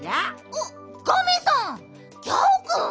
おっガメさんギャオくん。